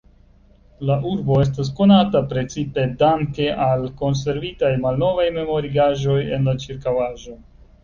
La urbo estas konata precipe danke al konservitaj malnovaj memorigaĵoj en la ĉirkaŭaĵo.